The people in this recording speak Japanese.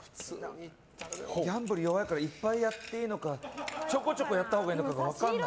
ギャンブル弱いからいっぱいやっていいのかちょこちょこやったほうがいいのかが分かんない。